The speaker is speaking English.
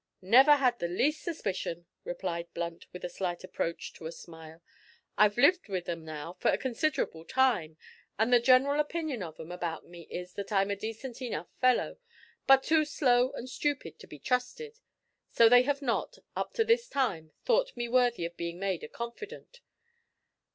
"Never had the least suspicion," replied Blunt with a slight approach to a smile. "I've lived with 'em, now, for a considerable time, and the general opinion of 'em about me is that I'm a decent enough fellow, but too slow and stupid to be trusted, so they have not, up to this time, thought me worthy of being made a confidant.